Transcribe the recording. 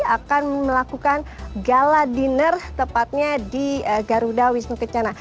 akan melakukan gala dinner tepatnya di garuda wisnu kencana